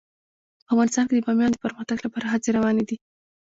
په افغانستان کې د بامیان د پرمختګ لپاره هڅې روانې دي.